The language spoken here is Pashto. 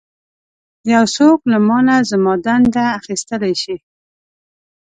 یو څوک له مانه زما دنده اخیستلی شي.